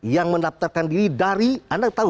yang mendaftarkan diri dari anda tahu